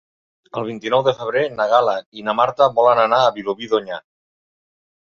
El vint-i-nou de febrer na Gal·la i na Marta volen anar a Vilobí d'Onyar.